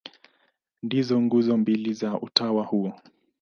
Ndizo nguzo mbili za utawa huo.